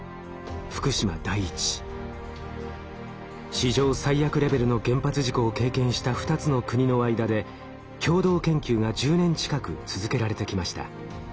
史上最悪レベルの原発事故を経験した２つの国の間で共同研究が１０年近く続けられてきました。